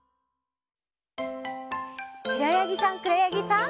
しろやぎさんくろやぎさん。